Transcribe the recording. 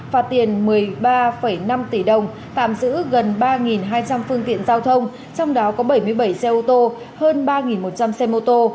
phạt tiền một mươi ba năm tỷ đồng tạm giữ gần ba hai trăm linh phương tiện giao thông trong đó có bảy mươi bảy xe ô tô hơn ba một trăm linh xe mô tô